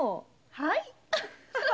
はい。